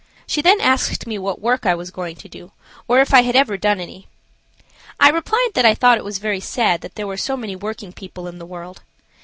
She then asked me what work I was going to do, or if I had ever done any. I replied that I thought it very sad that there were so many working people in the world.